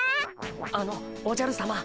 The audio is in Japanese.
あのおじゃるさま！